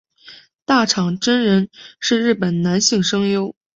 大场真人是日本男性声优。